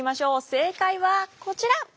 正解はこちら。